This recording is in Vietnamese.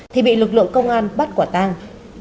thì bị lực lượng công an bắt quả tăng